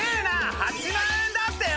８万円だってよ！